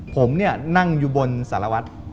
ผมเนี่ยนั่งอยู่บนสารวัตร